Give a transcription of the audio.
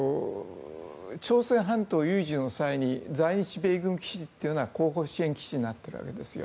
朝鮮半島有事の際に在日米軍基地というのは後方支援基地になっているわけですよ。